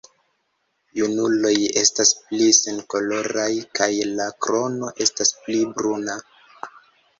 Junuloj estas pli senkoloraj kaj la krono estas pli bruna.